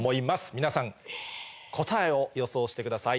皆さん答えを予想してください。